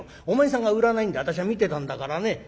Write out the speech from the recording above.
お前さんが売らないんで私は見てたんだからね。